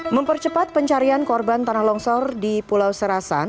mempercepat pencarian korban tanah longsor di pulau serasan